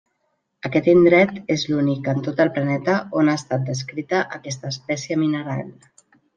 Aquest indret és l'únic en tot el planeta on ha estat descrita aquesta espècie mineral.